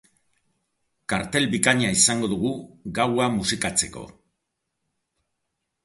Kartel bikaina izango dugu gaua musikatzeko!